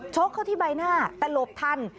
ชกเข้าที่ใบหน้าแต่หลบทัน